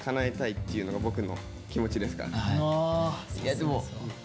いやでも。